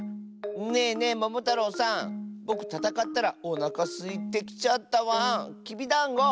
ねえねえももたろうさんぼくたたかったらおなかすいてきちゃったワン。